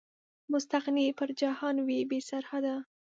مستغني به پر جهان وي، بې سرحده